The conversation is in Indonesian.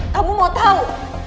kamu mau tau